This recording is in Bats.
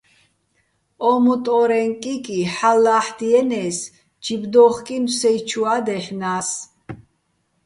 ო მუტო́რეჼ კიკი ჰ̦ალო̆ ლა́ჰ̦დიენე́ს, ჯიბ დო́ხკინო̆ სეჲჩუა́ დაჲჰ̦ნა́ს.